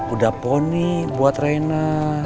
udah poni buat reyna